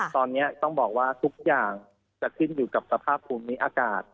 ตอนนี้ต้องบอกว่าทุกอย่างจะขึ้นอยู่กับสภาพภูมิอากาศ